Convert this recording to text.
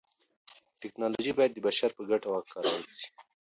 تکنالوژي بايد د بشر په ګټه وکارول سي.